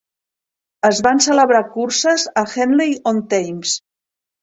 Es van celebrar curses a Henley-on-Thames.